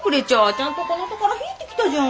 ちゃんとこの戸から入ってきたじゃん。